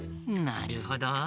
なるほど。